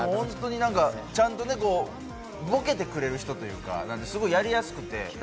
ちゃんとぼけてくれる人というか、やりやすくて。